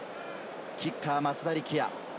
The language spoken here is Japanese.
キッカーは松田力也。